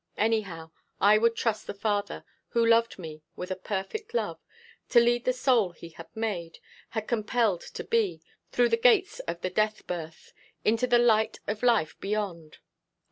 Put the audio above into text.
Anyhow, I would trust the Father, who loved me with a perfect love, to lead the soul he had made, had compelled to be, through the gates of the death birth, into the light of life beyond.